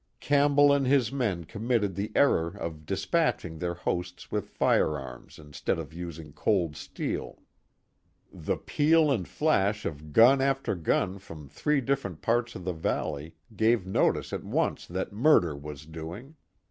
Campbell and his men committed the error of dispatching their hosts with firearms instead of using cold steel. The peal and flash of gun after gun from three different parts of the valley gave notice at once that murder was doing.